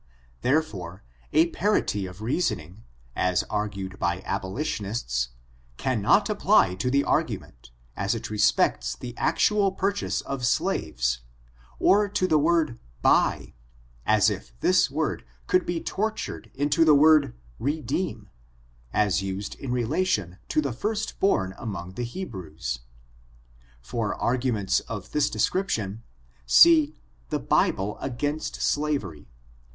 Therefore, a parity of reasoning, as argued by abolitionists, cannot apply to the argument, as it respects the actual purchase of slaves, or to the word buy, as if this word could be tortured into the word redeem, as used in relation to the first born among the Hebrews. For argu ments of this description, see " The Bible against Slavery^ No.